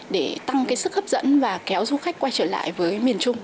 để tăng sức hấp dẫn và kéo du khách quay trở lại với miền trung